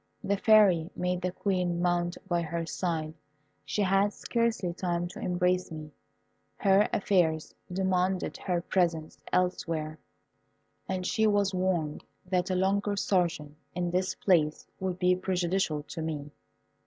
The Fairy made the Queen mount by her side. She had scarcely time to embrace me, her affairs demanded her presence elsewhere, and she was warned that a longer sojourn in this place would be prejudicial to me.